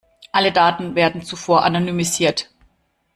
Alle Daten werden zuvor anonymisiert.